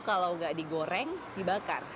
kalau gak digoreng dibakar